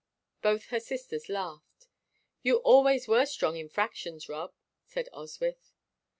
Both her sisters laughed. "You always were strong in fractions, Rob," said Oswyth.